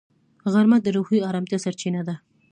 غرمه د روحي ارامتیا سرچینه ده